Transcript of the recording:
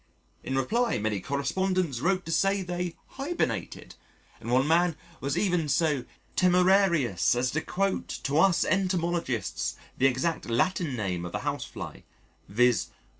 In reply, many correspondents wrote to say they hibernated, and one man was even so temerarious as to quote to us Entomologists the exact Latin name of the Housefly: viz.